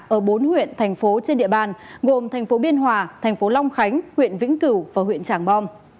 ở bốn huyện thành phố trên địa bàn gồm thành phố biên hòa thành phố long khánh huyện vĩnh cửu